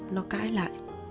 nó cãi lại